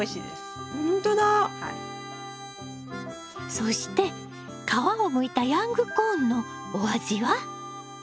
そして皮をむいたヤングコーンのお味は？